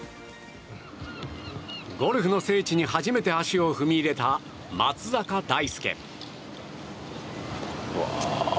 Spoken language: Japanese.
ゴルフの聖地に初めて足を踏み入れた松坂大輔。